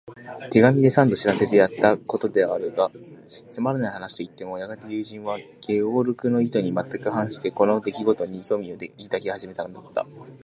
手紙で三度知らせてやったことであるが、つまらない話といってもやがて友人は、ゲオルクの意図にはまったく反して、この出来ごとに興味を抱き始めたのだった。